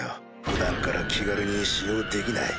普段から気軽に使用できない。